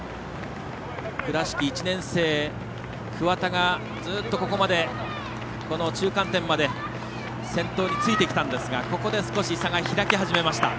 倉敷、１年生、桑田がずっと、ここまで中間点まで先頭についてきたんですがここで少し先頭に差が開き始めました。